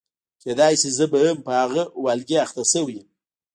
کېدای شي زه به هم په هغه والګي اخته شوې یم.